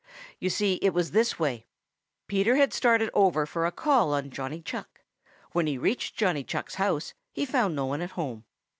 You see it was this way: Peter had started over for a call on Johnny Chuck. When he reached Johnny Chuck's house he found no one at home.